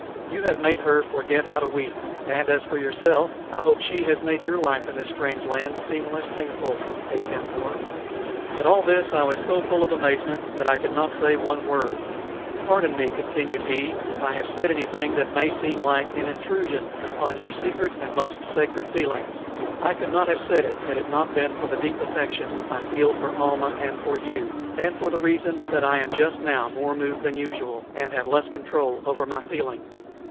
You have made her forget how to weep; and as for yourself, I hope she has made your life in this strange land seem less painful, Atam or." At all this I was so full of amazement that I could not say one word. "Pardon me," continued he, "if I have said anything that may seem like an intrusion upon your secret and most sacred feelings. I could not have said it had it not been for the deep affection I feel for Almah and for you, and for the reason that I am just now more moved than usual, and have less control over my feelings."